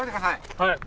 はい。